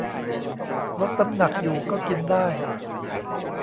ลดน้ำหนักอยู่ก็กินได้